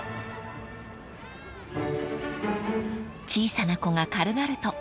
［小さな子が軽々と］